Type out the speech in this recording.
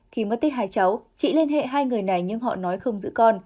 khi mất tích hai cháu chị liên hệ hai người này nhưng họ nói không giữ con